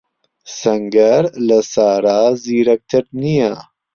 سەنگەر لە سارا زیرەکتر نییە.